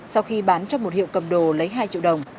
sau khi bán cho một hiệu cầm đồ lấy hai triệu đồng